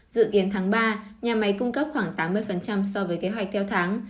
dự kiến tháng ba nhà máy cung cấp khoảng tám mươi so với kế hoạch theo tháng